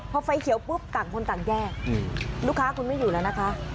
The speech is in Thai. พอไฟเขียวปุ๊บต่างคนต่างแยกลูกค้าคุณไม่อยู่แล้วนะคะ